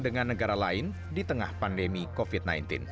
dengan negara lain di tengah pandemi covid sembilan belas